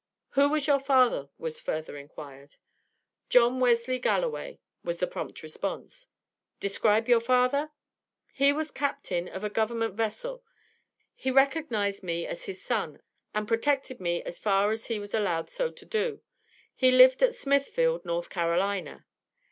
"Who was your father?" was further inquired. "John Wesley Galloway," was the prompt response. "Describe your father?" "He was captain of a government vessel; he recognized me as his son, and protected me as far as he was allowed so to do; he lived at Smithfield, North Carolina.